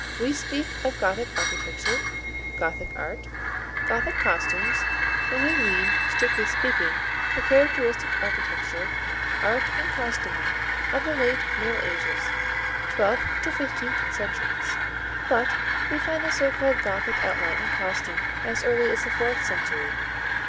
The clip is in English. We speak of Gothic architecture, Gothic art, Gothic costumes, when we mean, strictly speaking, the characteristic architecture, art and costuming of the late Middle Ages (twelfth to fifteenth centuries). But we find the so called Gothic outline in costume as early as the fourth century.